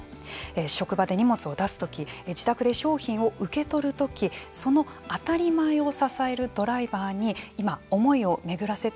職場で荷物を出す時自宅で商品を受け取る時その当たり前を支えるドライバーに今思いを巡らせてみる